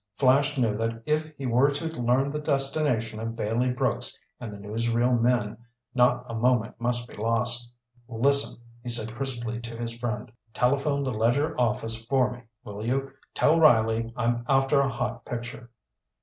Flash knew that if he were to learn the destination of Bailey Brooks and the newsreel men, not a moment must be lost. "Listen," he said crisply to his friend. "Telephone the Ledger office for me, will you? Tell Riley I'm after a hot picture!"